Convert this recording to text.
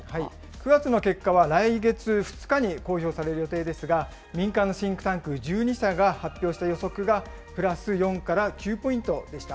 ９月の結果は来月２日に公表される予定ですが、民間のシンクタンク１２社が発表した予測がプラス４から９ポイントでした。